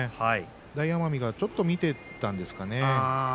大奄美がちょっと見ていったんですかね。